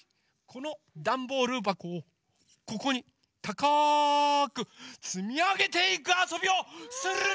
このダンボールばこをここにたかくつみあげていくあそびをするんジャー！